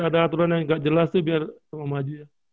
ada aturan yang gak jelas sih biar sama maji ya